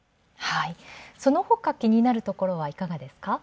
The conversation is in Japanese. そのほか気になるところはいかがですか。